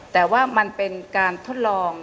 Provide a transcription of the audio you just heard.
แต่ว่ามันเป็นการทดลอง